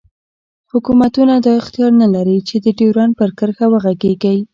حوکمتونه دا اختیار نه لری چی د ډیورنډ پر کرښه وغږیږی